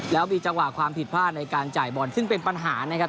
แล้วมีจังหวะความผิดพลาดในการจ่ายบอลซึ่งเป็นปัญหานะครับ